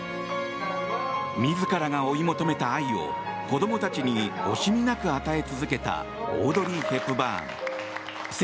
自らが追い求めた愛を子供たちに惜しみなく与え続けたオードリー・ヘプバーン。